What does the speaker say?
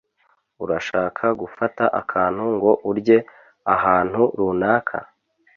Urashaka gufata akantu ngo urye ahantu runaka?